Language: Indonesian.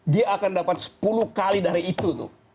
dia akan dapat sepuluh kali dari itu tuh